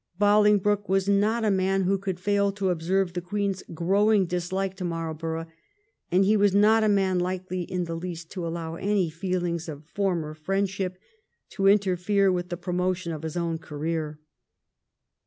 Boling broke was not a man who could fail to observe the Queen's growing dislike to Marlborough, and he was not a man likely in the least to allow any feehngs of former friendship to interfere with the promotion of his own career.